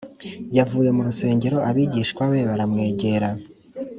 Yavuye mu rusengero abigishwa be baramwegera.